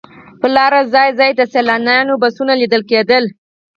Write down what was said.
پر لاره ځای ځای د سیلانیانو بسونه لیدل کېدل.